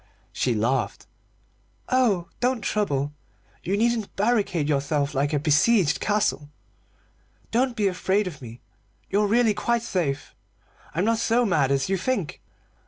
She laughed. "Oh, don't trouble! You needn't barricade yourself like a besieged castle. Don't be afraid of me. You're really quite safe. I'm not so mad as you think.